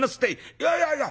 「いやいやいや